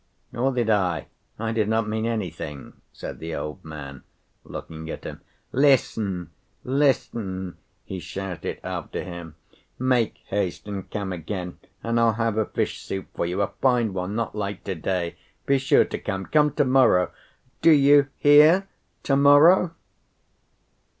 "Nor did I, I did not mean anything," said the old man, looking at him. "Listen, listen," he shouted after him, "make haste and come again and I'll have a fish soup for you, a fine one, not like to‐day. Be sure to come! Come to‐morrow, do you hear, to‐morrow!"